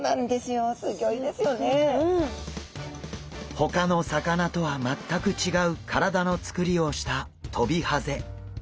ほかの魚とは全く違う体のつくりをしたトビハゼ。